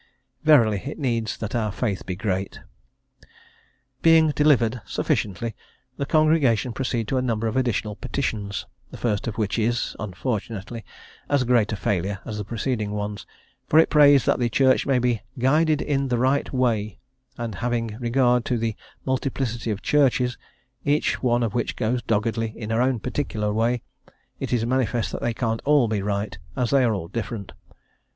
Verily, it needs that our faith be great. Being delivered sufficiently, the congregation proceed to a number of additional petitions, the first of which is, unfortunately, as great a failure as the preceding ones, for it prays that the Church may be guided "in the right way;" and having regard to the multiplicity of Churches, each one of which goes doggedly in her own particular way, it is manifest that they can't all be right, as they are all different.